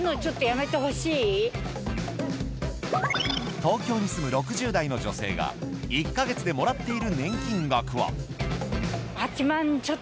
東京に住む６０代の女性が１か月でもらっている年金額は。